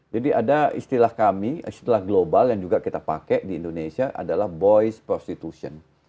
jadi ada istilah kami istilah global yang juga kita pakai di indonesia adalah boys prostitution